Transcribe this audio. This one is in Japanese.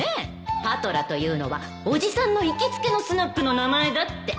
パトラというのはおじさんの行きつけのスナックの名前だって